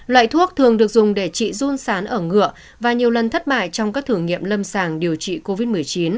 loại thuốc thường được dùng để trị run sán ở ngựa và nhiều lần thất bại trong các thử nghiệm lâm sàng điều trị covid một mươi chín